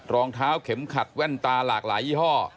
รองเท้าเข็มขัดแว่นตาหลากหลายยี่ห้อ